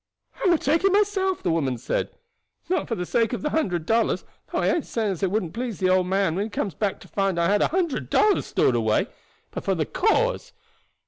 "I will take it myself," the woman said; "not for the sake of the hundred dollars, though I ain't saying as it wouldn't please the old man when he comes back to find I had a hundred dollars stored away; but for the cause.